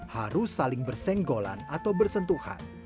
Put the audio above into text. harus saling bersenggolan atau bersentuhan